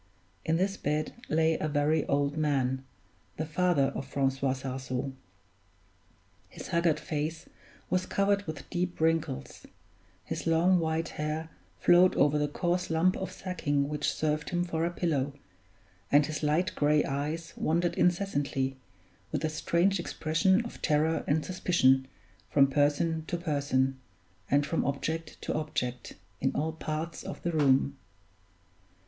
In this bed lay a very old man, the father of Francois Sarzeau. His haggard face was covered with deep wrinkles; his long white hair flowed over the coarse lump of sacking which served him for a pillow, and his light gray eyes wandered incessantly, with a strange expression of terror and suspicion, from person to person, and from object to object, in all parts of the room.